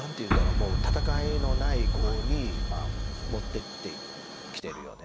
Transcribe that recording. もう戦いのない碁に持ってきてるよね。